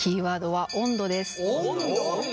温度？